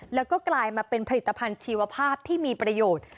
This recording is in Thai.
แล้วก็กลายมาเป็นผลิตภัณฑ์ชีวภาพที่มีประโยชน์